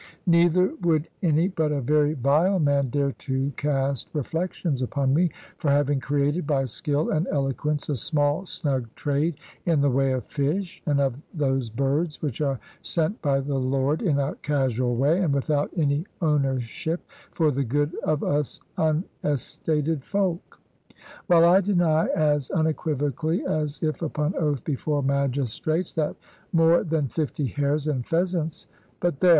Neither would any but a very vile man dare to cast reflections upon me, for having created by skill and eloquence a small snug trade in the way of fish, and of those birds which are sent by the Lord in a casual way, and without any ownership, for the good of us unestated folk. While I deny as unequivocally as if upon oath before magistrates, that more than fifty hares and pheasants but there!